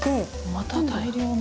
また大量の。